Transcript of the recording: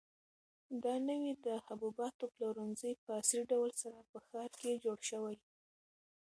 دا نوی د حبوباتو پلورنځی په عصري ډول سره په ښار کې جوړ شوی.